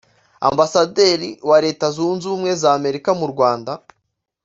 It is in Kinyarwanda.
Ambasaderi wa Leta Zunze Ubumwe z’Amerika mu Rwanda